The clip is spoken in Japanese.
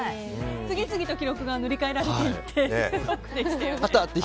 次々と記録が塗り替えられていって。